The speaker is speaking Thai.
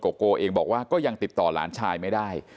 โกโกเองบอกว่าก็ยังติดต่อหลานชายไม่ได้